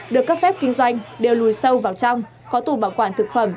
được cấp phép kinh doanh đều lùi sâu vào trong có tủ bảo quản thực phẩm